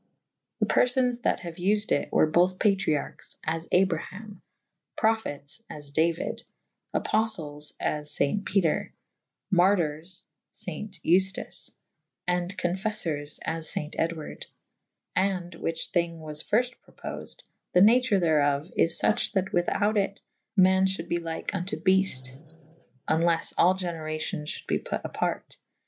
The perfones that haue vfed it / were bothe patriarches / as Abraham. Prophetes / as Dauyd / Apoftels / as faynt Peter. Martyrs / faynt Euftache / And co«fef fours as faynt Edwarde. And (whiche thynge was fyrfte propofsd) the nature therof is fuche / that without it : man fhuld be lyke vnto befte / oneles all generacyon f hulde be put aparte.